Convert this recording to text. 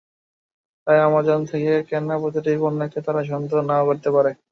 তাই আমাজন থেকে কেনা প্রতিটি পণ্যকে তাঁরা সন্দেহ নাও করতে পারে।